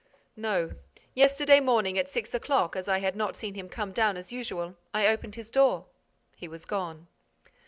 "No. Yesterday morning, at six o'clock, as I had not seen him come down as usual, I opened his door. He was gone."